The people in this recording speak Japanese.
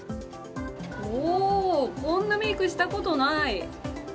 お、こんなメイクしたことない。